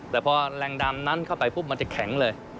แต่พอแรงดำนั้นเข้าไปปุ๊บมันจะแข็งเลย